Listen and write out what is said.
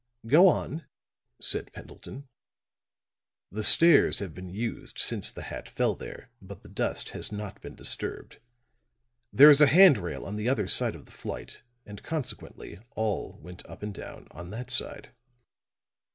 "Go on," said Pendleton. "The stairs have been used since the hat fell there; but the dust has not been disturbed. There is a hand rail on the other side of the flight, and consequently, all went up and down on that side."